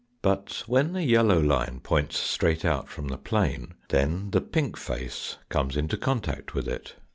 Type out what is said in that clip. But when the yellow line points straight out from the plane then the pink face comes into contact with it.